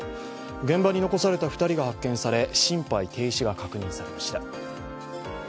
現場に残された２人が発見され、心肺停止が確認されました。